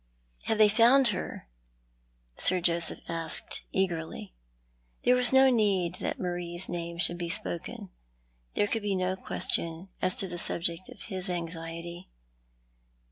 " Have they found her ?" Sir Joseph asked, eagerly. Tlicrc was no need that Marie's name should bo spoken. There could be no question as to the subject of his anxiety.